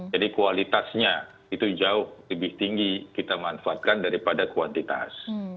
jadi kualitasnya itu jauh lebih tinggi kita manfaatkan daripada kuantitas